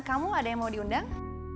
kamu ada yang mau diundang